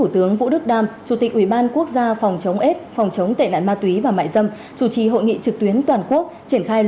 tổng kết quán triệt và triển khai